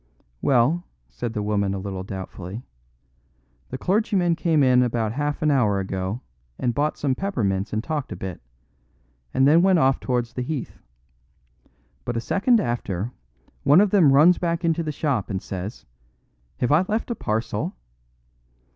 "Well," said the woman a little doubtfully, "the clergymen came in about half an hour ago and bought some peppermints and talked a bit, and then went off towards the Heath. But a second after, one of them runs back into the shop and says, 'Have I left a parcel!